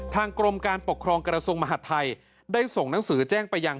ทางกรมการปกครองกระทรวงมหาดไทยได้ส่งหนังสือแจ้งไปยัง